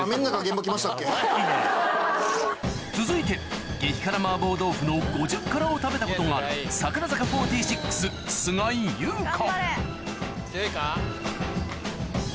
続いて激辛麻婆豆腐の５０辛を食べたことがある強いか？